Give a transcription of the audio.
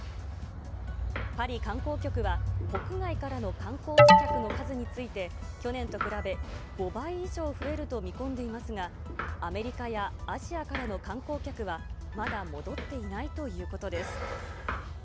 パリ観光局は、国外からの観光客の数について、去年と比べ、５倍以上増えると見込んでいますが、アメリカやアジアからの観光客はまだ戻っていないということです。